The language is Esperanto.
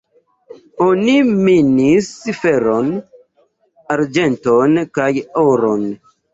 Oni minis feron, arĝenton kaj oron.